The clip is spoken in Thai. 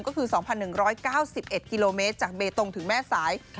ก็คือ๒๑๙๑กิโลเมตรจากเบตงถึงแม่สาย